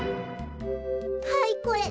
はいこれ。